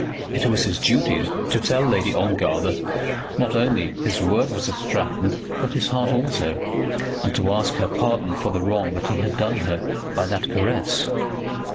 It was his duty to tell Lady Ongar that not only his word was at Stratton, but his heart also, and to ask her pardon for the wrong that he had done her by that caress.